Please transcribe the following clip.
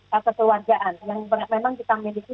kekeluargaan yang memang kita miliki